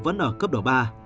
vẫn ở cấp độ ba